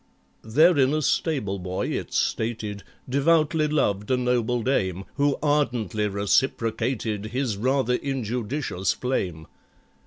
(Therein a stable boy, it's stated, Devoutly loved a noble dame, Who ardently reciprocated His rather injudicious flame.)